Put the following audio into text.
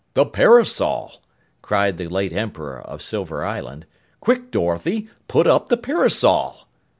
"The parasol!" cried the late Emperor of Silver Island. "Quick, Dorothy, put up the parasol!"